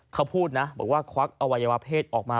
เขาพูดนะบอกว่าควักอวัยวะเพศออกมา